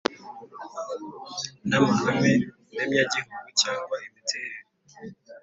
N amahame ndemyagihugu cyangwa imiterere